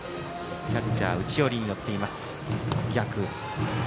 キャッチャーは内寄りに寄っています。